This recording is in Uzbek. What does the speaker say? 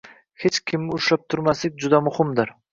Hech kimni ushlab turmaslik juda muhimdir.